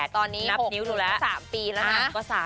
ตอนนี้๖ปีก็๓ปีแล้วนะฮะ